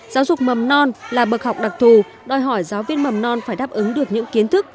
giáo dục mầm non là bậc học đặc thù đòi hỏi giáo viên mầm non phải đáp ứng được những kiến thức